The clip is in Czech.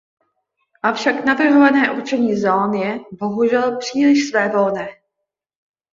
Avšak navrhované určení zón je, bohužel, příliš svévolné.